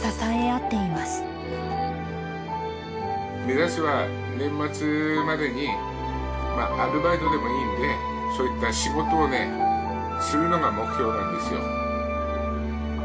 目指すは年末までにアルバイトでもいいのでそういった仕事をするのが目標なんですよ。